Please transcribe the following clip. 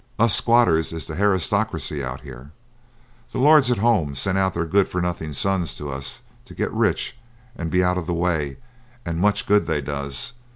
Us squatters is the harrystockrisy out here. The lords at home sends out their good for nothing sons to us, to get rich and be out of the way, and much good they does.